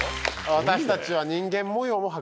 私たちは。